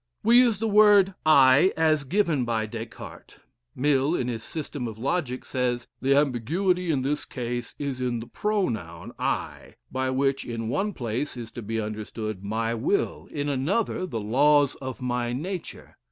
We use the word "I" as given by Des Cartes. Mill, in his "System of Logic," says, "The ambiguity in this case is in the pronoun I, by which in one place is to be understood my will: in another the laws of my nature.